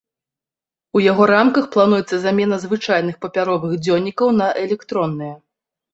У яго рамках плануецца замена звычайных папяровых дзённікаў на электронныя.